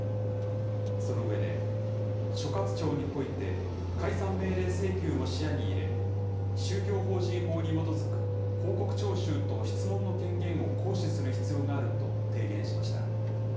その上で、所轄庁において、解散命令請求も視野に入れ、宗教法人法に基づく報告徴収と質問の権限を行使する必要があると提言しました。